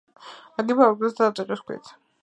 ნაგებია აგურითა და რიყის ქვით.